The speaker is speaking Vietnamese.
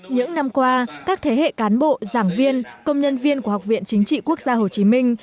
những năm qua các thế hệ cán bộ giảng viên công nhân viên của học viện chính trị quốc gia hồ chí minh